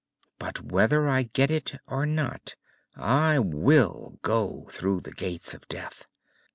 "But whether I get it or not, I will go through the Gates of Death.